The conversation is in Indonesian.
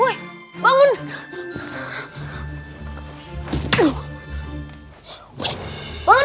hai hai bangun woi bangun